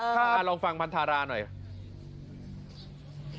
เออเราลองฟังพันธาระหน่อย